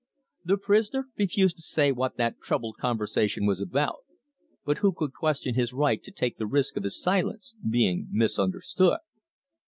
The prisoner refused to say what that troubled conversation was about, but who could question his right to take the risk of his silence being misunderstood?